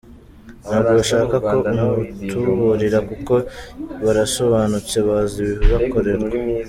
Ntabwo ashaka ko umutuburira kuko barasobanutse bazi ibibakorerwa.